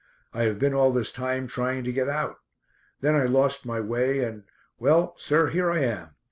I have been all this time trying to get out. Then I lost my way and well, sir, here I am.